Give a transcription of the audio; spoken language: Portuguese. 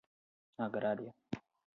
agrária